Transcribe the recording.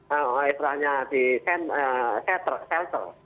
misalnya di shelter